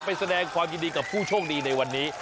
แสดงความยินดีกับผู้โชคดีในวันนี้